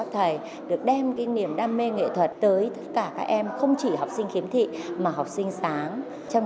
thầy là một người sống rất là tình cảm